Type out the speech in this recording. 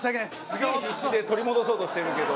すげえ必死で取り戻そうとしてるけど。